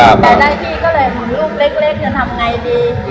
แต่ได้ที่ก็เลยหุ่นลูกเล็กจะทำไงดี